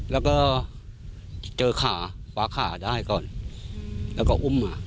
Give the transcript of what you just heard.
แล้วก็เจอขาฝากลายก่อนแล้วก็อุ่มอ่ะ